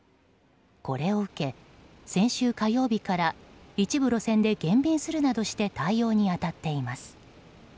これを受け、先週火曜日から一部路線で減便するなどして対応に当たっています。